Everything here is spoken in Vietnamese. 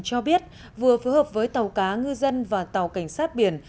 cho biết vừa phối hợp với tàu cá ngư dân và tàu cảnh sát biển